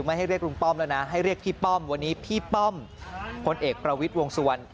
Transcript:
ให้เรียกลุงป้อมแล้วนะให้เรียกพี่ป้อมวันนี้พี่ป้อมพลเอกประวิทย์วงสุวรรณ